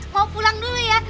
mau pulang dulu ya